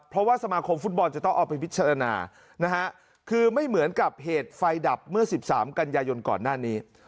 เพราะว่าสมาคมฟุตบอลจะต้องเอาไปพิจารณานะฮะคือไม่เหมือนกับเหตุไฟดับเมื่อ๑๓กันยายนก่อนหน้านี้